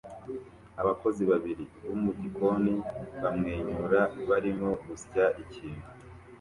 Abakozi babiri bo mu gikoni bamwenyura barimo gusya ikintu